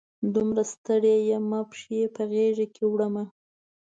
دومره ستړي یمه، پښې په غیږ کې وړمه